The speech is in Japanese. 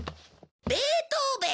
ベートーベン！